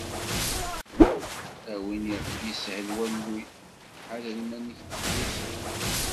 A win iɣef yeshel walluy, ḥader iman-ik deg trusi.